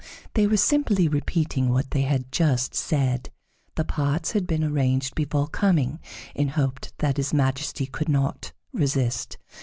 They were simply repeating what they had just said; the parts had been arranged before coming, in hope that his Majesty could not resist.